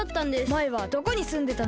まえはどこにすんでたの？